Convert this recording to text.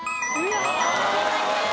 正解です。